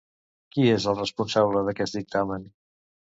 Qui és el responsable d'aquest dictamen?